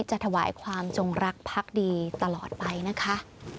ถวายความจงรักพักดีตลอดไปนะคะ